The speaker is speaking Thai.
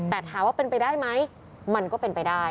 แต่ถามว่าเป็นไปได้ไหมมันก็เป็นไปได้